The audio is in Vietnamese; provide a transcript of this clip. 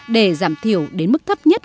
để giảm thiểu đến mức thấp nhất